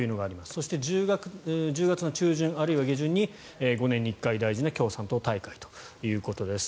そして１０月中旬あるいは下旬に５年に１回、大事な共産党大会ということです。